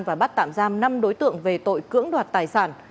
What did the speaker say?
và bắt tạm giam năm đối tượng về tội cưỡng đoạt tài sản